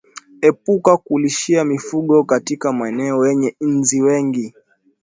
Epuka kulishia mifugo katika maeneo yenye inzi wengi